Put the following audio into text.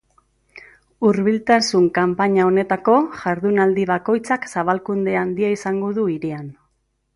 Hurbiltasun kanpaina honetako jardunaldi bakoitzak zabalkunde handia izango du hirian.